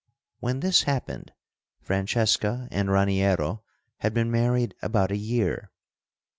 When this happened, Francesca and Raniero had been married about a year.